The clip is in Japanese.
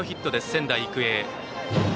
仙台育英。